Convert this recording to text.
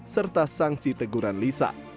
serta sanksi teguran lisa